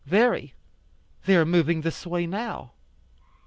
"Very. They are moving this way now.